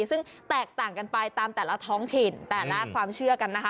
ซึ่งแตกต่างกันไปตามแต่ละท้องถิ่นแต่ละความเชื่อกันนะคะ